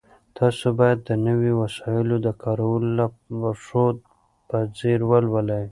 تاسو باید د نويو وسایلو د کارولو لارښود په ځیر ولولئ.